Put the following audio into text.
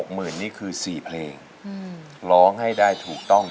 หมื่นนี่คือ๔เพลงร้องให้ได้ถูกต้อง